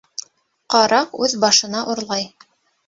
Ҡараҡ үҙ башына урлай.